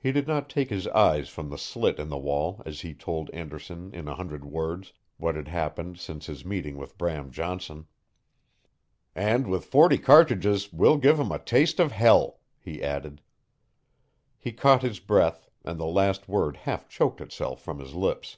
He did not take his eyes from the slit in the wall as he told Anderson in a hundred words what had happened since his meeting with Bram Johnson. "And with forty cartridges we'll give 'em a taste of hell," he added. He caught his breath, and the last word half choked itself from his lips.